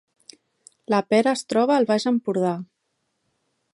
La Pera es troba al Baix Empordà